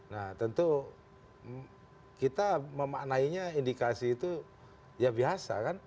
nah tentu kita memaknainya indikasi itu ya biasa kan